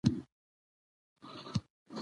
افغانستان کې بزګان د نن او راتلونکي ارزښت لري.